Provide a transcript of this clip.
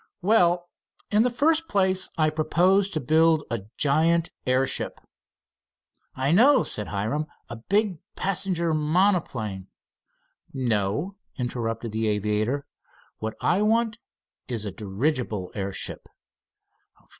"Well, in the first place I propose to build a giant airship." "I know," said Hiram. "A big passenger monoplane." "No," interrupted the aviator. "What I want is a dirigible airship."